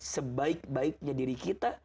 sebaik baiknya diri kita